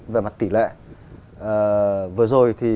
vừa rồi thì